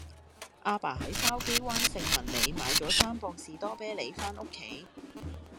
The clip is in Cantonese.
亞爸喺筲箕灣盛民里買左三磅士多啤梨返屋企